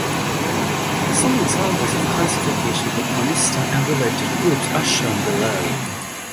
Some examples of classification of the Chromista and related groups are shown below.